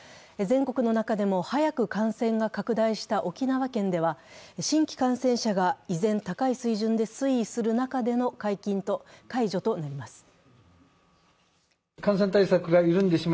全国の中でも早く感染が拡大した沖縄県では、新規感染者が依然高い水準で推移する中での解除となります。